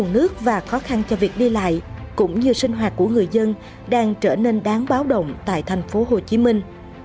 nguồn nước và khó khăn cho việc đi lại cũng như sinh hoạt của người dân đang trở nên đáng báo động tại thành phố hồ chí minh